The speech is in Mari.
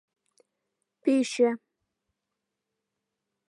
Пӱчӧ